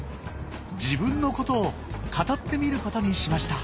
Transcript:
自分のことを語ってみることにしました。